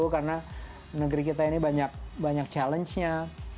karena negeri kita ini banyak challenge nya